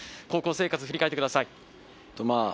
高校生活を振り返ってください。